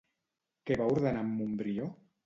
Què va ordenar en Montbrió?